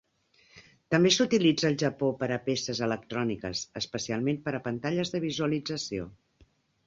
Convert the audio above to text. També s'utilitza al Japó per a peces electròniques, especialment per a pantalles de visualització.